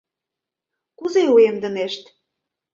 Кузе уэмдынешт?